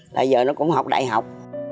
bây giờ nó cũng học đại học